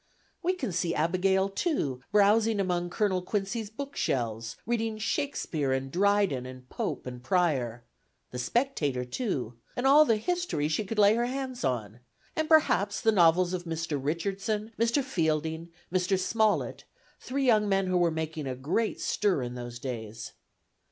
We can see Abigail, too, browsing among Colonel Quincy's bookshelves; reading Shakespeare and Dryden and Pope and Prior; the Spectator, too, and all the history she could lay her hands on, and perhaps the novels of Mr. Richardson, Mr. Fielding, Mr. Smollett, three young men who were making a great stir in those days.